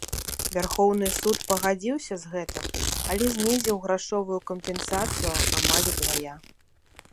Вярхоўны суд пагадзіўся з гэтым, але знізіў грашовую кампенсацыю амаль удвая.